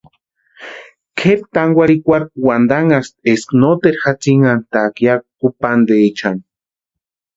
Kʼeri tánkwarhikwarhu wantanhasti eska noteru jatsinhantaka ya kupantaechani.